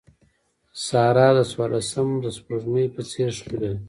سارده د څوارلسم سپوږمۍ په څېر ښکلې ده.